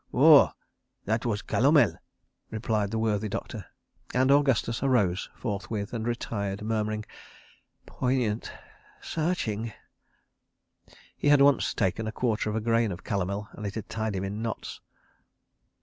"Oah! That was calomel!" replied the worthy doctor, and Augustus arose forthwith and retired, murmuring: "Poignant! Searching!" He had once taken a quarter of a grain of calomel, and it had tied him in knots.